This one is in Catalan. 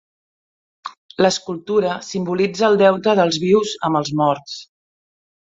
L'escultura simbolitza "el deute dels vius amb els morts".